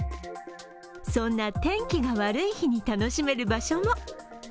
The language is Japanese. そんな天気が悪い日に楽しめる場所も。